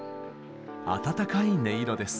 温かい音色です。